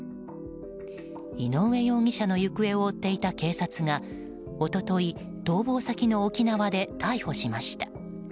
井上容疑者の行方を追っていた警察が一昨日、逃亡先の沖縄で逮捕しました。